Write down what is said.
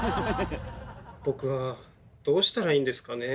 僕はどうしたらいいんですかね。